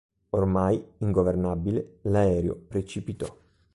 Ormai ingovernabile, l'aereo precipitò.